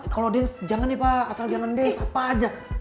kalau dance jangan ya pak asal jangan dance apa aja